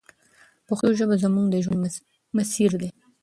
پښتو ژبه زموږ د ژوند مسیر دی.